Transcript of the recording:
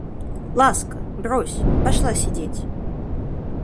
Ласка, брось, пошла сидеть!